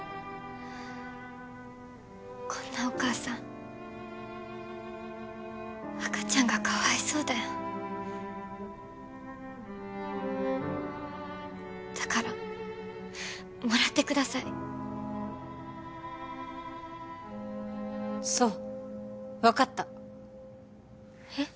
こんなお母さん赤ちゃんがかわいそうだよだからもらってくださいそう分かったえっ？